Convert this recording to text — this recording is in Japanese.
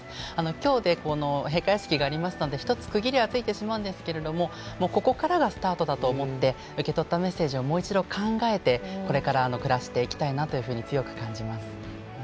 きょうで、閉会式が終わりますので１つ区切りはついてしまうんですけれどもここからがスタートだと思って受け取ったメッセージをもう一度考えてこれから、暮らしていきたいなと強く感じます。